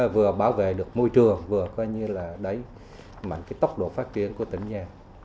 vừa bảo vệ được môi trường vừa đẩy mạnh tốc độ phát triển của tỉnh nhà